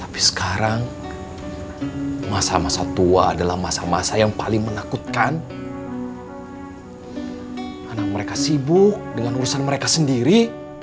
anak mereka sibuk dengan urusan mereka sendiri